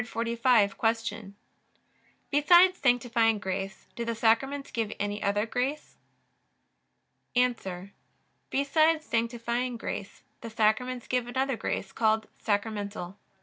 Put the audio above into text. Q. Besides sanctifying grace do the Sacraments give any other grace? A. Besides sanctifying grace the Sacraments give another grace, called sacramental.